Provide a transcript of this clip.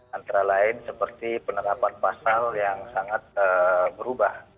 antara lain seperti penerapan pasal yang sangat berubah